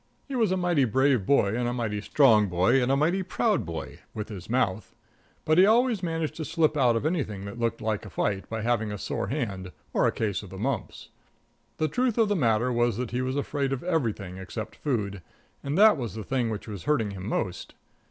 He was a mighty brave boy and a mighty strong boy and a mighty proud boy with his mouth; but he always managed to slip out of anything that looked like a fight by having a sore hand or a case of the mumps. The truth of the matter was that he was afraid of everything except food, and that was the thing which was hurting him most.